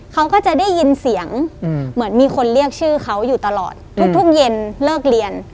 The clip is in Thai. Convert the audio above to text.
เขาก็จะได้ยินเสียงเหมือนมีคนเรียกชื่อเขาอยู่ตลอดทุกเย็นเลิกเรียน